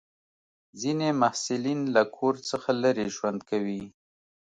ځینې محصلین له کور څخه لرې ژوند کوي.